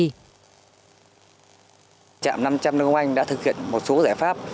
trạm năm trăm linh nông anh đã thực hiện một số giải pháp